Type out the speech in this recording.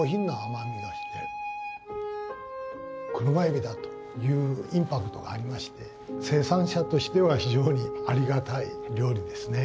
車エビだというインパクトがありまして生産者としては非常にありがたい料理ですね。